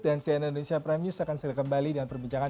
dan cnn indonesia prime news akan kembali dengan perbincangan